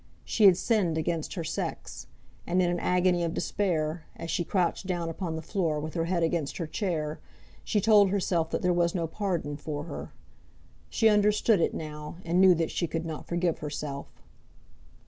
She had sinned against her sex; and, in an agony of despair, as she crouched down upon the floor with her head against her chair, she told herself that there was no pardon for her. She understood it now, and knew that she could not forgive herself.